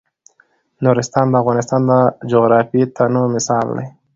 نورستان د افغانستان د جغرافیوي تنوع مثال دی.